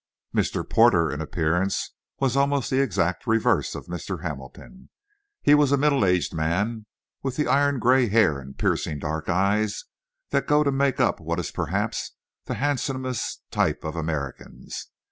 Mr. Porter, in appearance, was almost the exact reverse of Mr. Hamilton. He was a middle aged man with the iron gray hair and piercing dark eyes that go to make up what is perhaps the handsomest type of Americans.